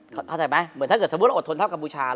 เข้าใจไหมเหมือนถ้าเกิดสมมุติเราอดทนเท่ากัมพูชา